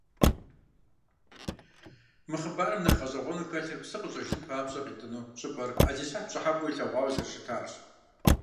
Мы хъыбарым нэхъ гъэщӏэгъуэну хэлъыр псыр къыщӏэжын папщӏэ къитӏыну щӏыпӏэр ӏэлисахь пщӏыхьэпӏэу илъэгъуауэ зэрыщытарщ.